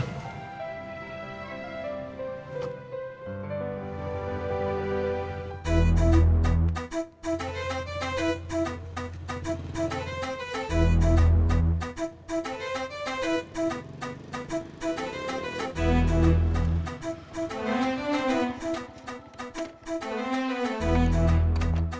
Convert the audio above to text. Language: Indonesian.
tak apa ya mesir